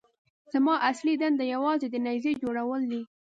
زما اصلي دنده یوازې د نيزې جوړول دي.